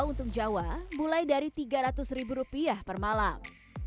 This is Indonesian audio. pulau untung jawa mulai dari rp tiga ratus per malam